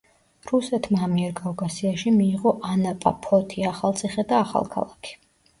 რუსეთმა ამიერკავკასიაში მიიღო ანაპა, ფოთი, ახალციხე და ახალქალაქი.